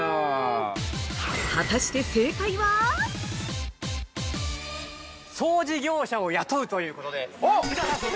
◆果たして正解は？◆掃除業者を雇うということです。